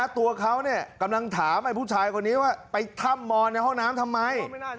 ตัวเขากำลังถามไอ้ผู้ชายคนนี้ว่าไปถ้ำมอนในห้องน้ำทำไม